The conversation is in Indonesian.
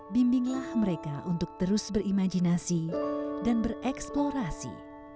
bimbinglah mereka untuk terus berimajinasi dan bereksplorasi